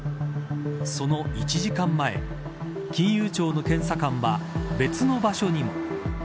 その１時間前金融庁の検査官は別の場所にも。